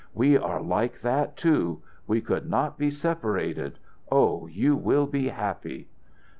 "We are like that, too. We could not be separated. Oh, you will be happy!"